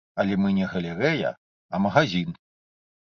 Але мы не галерэя, а магазін.